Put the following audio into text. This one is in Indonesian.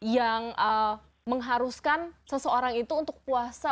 yang mengharuskan seseorang itu untuk puasa